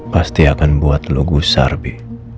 pasti akan buat lo gusar bi